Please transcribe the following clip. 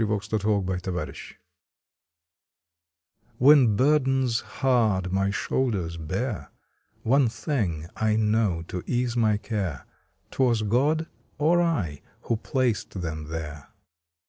June Twenty sixth THE BURDEN BEARER \\7HEN burdens hard my shoulders Dear, One thing I know to ease my care Twas God or I who placed them there!